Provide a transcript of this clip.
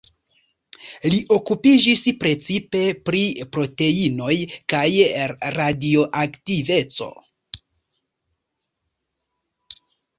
Li okupiĝis precipe pri proteinoj kaj radioaktiveco.